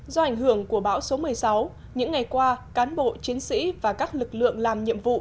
do ảnh hưởng của bão số một mươi sáu những ngày qua cán bộ chiến sĩ và các lực lượng làm nhiệm vụ